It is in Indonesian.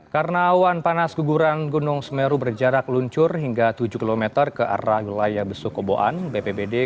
karena awan panas keguguran gunung semeru berjarak luncur hingga tujuh km ke arah wilayah besuk koboan bppd